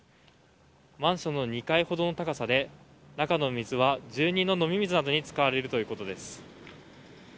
マンションの２階ほどの高さで水は住民の飲み水などに使われるということです。